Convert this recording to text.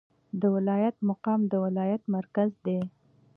د ولایت مقام د ولایت مرکز دی